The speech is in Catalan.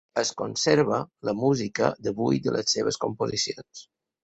Es conserva la música de vuit de les seves composicions.